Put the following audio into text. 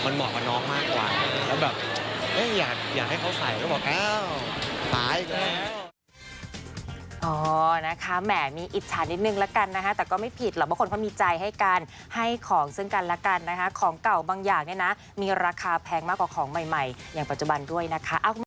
นาฬิกาหน้านี้เรือนนี้มันเหมาะกับน้องมากกว่าแล้วแบบอยากให้เขาใส่แล้วบอกอ้าวตายอีกแล้ว